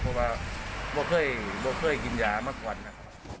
เพราะว่าว่าเคยกินยามากกว่านะครับ